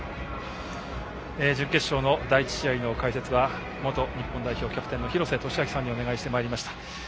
準決勝の第１試合の解説は元日本代表キャプテンの廣瀬俊朗さんにお願いしてまいりました。